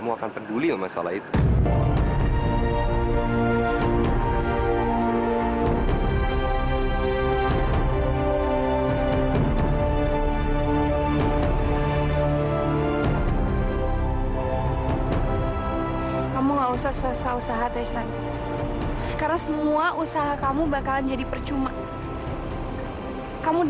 maka semua ini adalah tanggung jawabku